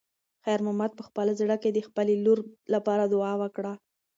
خیر محمد په خپل زړه کې د خپلې لور لپاره دعا وکړه.